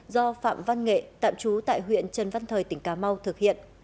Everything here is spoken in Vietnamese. do phạm văn nghệ tạm trú tại huyện trần văn thời tỉnh cà mau thực hiện